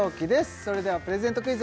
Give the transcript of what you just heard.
それではプレゼントクイズ